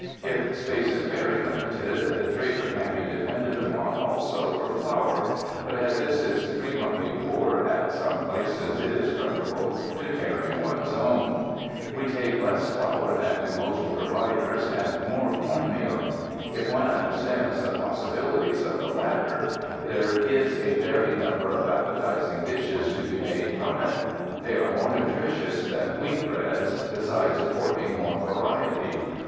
If space is very limited, the trader can be depended upon also for flour, but as this is frequently poor at some places, it is pref erable to carry one's own. We take less flour than do most providers, and more corn meal. If one un derstands the possibilities of the latter, there is a 283 UNDER THE SKY IN CALIFORNIA varied number of appetizing dishes to be made from it. They are more nutritious than wheat breads, besides affording more variety.